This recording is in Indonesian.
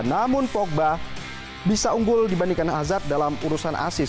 namun pogba bisa unggul dibandingkan hazard dalam urusan asis